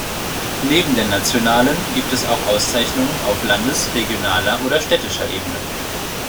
Neben der nationalen gibt es auch Auszeichnungen auf Landes-, regionaler oder städtischer Ebene.